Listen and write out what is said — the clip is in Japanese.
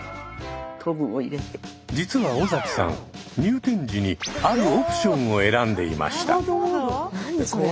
実は尾崎さん入店時にあるオプションを選んでいました。